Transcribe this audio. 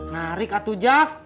ngarik atu jak